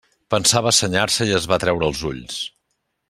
Pensava senyar-se i es va treure els ulls.